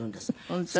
本当に？